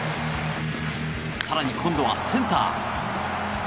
更に、今度はセンター。